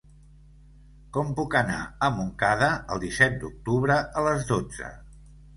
Com puc anar a Montcada el disset d'octubre a les dotze?